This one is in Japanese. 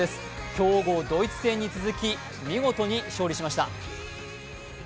強豪・ドイツ戦に続き、見事に勝利しました。